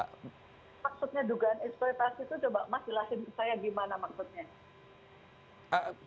maksudnya dugaan eksploitasi itu coba mas jelasin ke saya gimana maksudnya